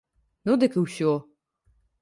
Ну, дык і ўсё.